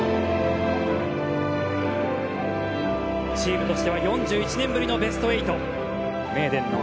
チームとしては４１年ぶりのベスト８。